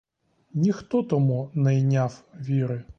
Ніхто тому не йняв віри.